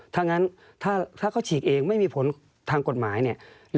ถ้างั้นถ้าเขาฉีกเองไม่มีผลทางกฎหมายเนี่ย